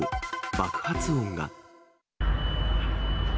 爆発音が。